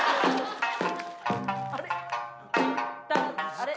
あれ？